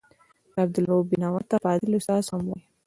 عبدالرؤف بېنوا ته فاضل استاد هم وايي.